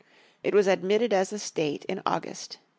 It was admitted as a state in August, l876.